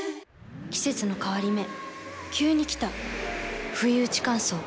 季節の変わり目急に来たふいうち乾燥。